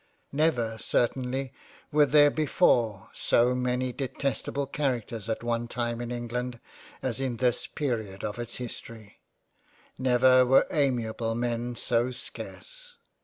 Never certainly were there before so many detestable Characters at one time in England as in this period of its History ; never were amiable men so scarce.